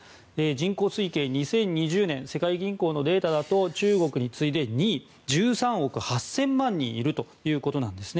人口推計２０２０年世界銀行のデータだと中国に次いで２位１３億８０００万人いるということなんです。